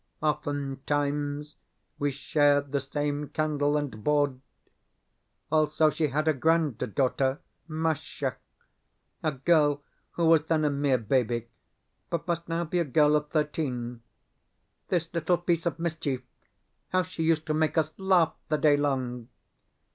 Oftentimes we shared the same candle and board. Also she had a granddaughter, Masha a girl who was then a mere baby, but must now be a girl of thirteen. This little piece of mischief, how she used to make us laugh the day long!